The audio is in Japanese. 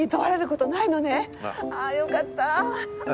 ああよかった。